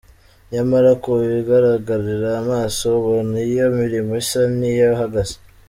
Nyamara ku bigaragarira amaso ubona iyo mirimo isa n’iyahagaze.